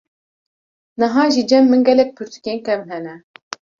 niha jî cem min gelek pirtukên kevn hene.